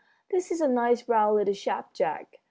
This is a nice brown little chap, Jack.